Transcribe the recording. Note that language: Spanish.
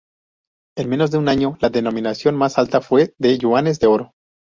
En menos de un año, la denominación más alta fue de yuanes de oro.